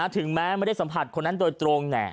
ถึงแม้ไม่ได้สัมผัสคนนั้นโดยตรง